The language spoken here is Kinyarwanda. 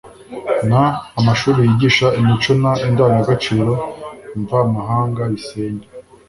n amashuri yigisha imico n indangagaciro mvamahanga bisenya